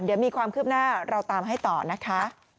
เดี๋ยวมีความคืบหน้าเราตามให้ต่อนะคะ